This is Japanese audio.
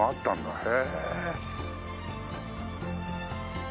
へえ。